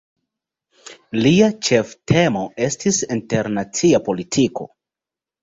Lia ĉeftemo estis internacia politiko.